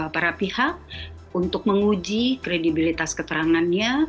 para pihak untuk menguji kredibilitas keterangannya